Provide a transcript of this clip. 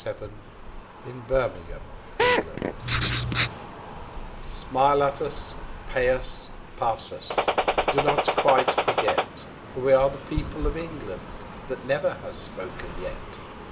K. Chesterton The Secret People SMILE at us, pay us, pass us; but do not quite forget. For we are the people of England, that never have spoken yet.